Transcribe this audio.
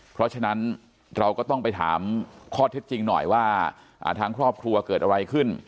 เพราะฉะนั้นเราก็ต้องไปถามข้อเท็จจริงหน่อยว่าทางครอบครัวเกิดอะไรขึ้น